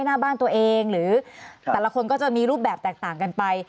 หน้าบ้านตัวเองหรือแต่ละคนก็จะมีรูปแบบแตกต่างกันไป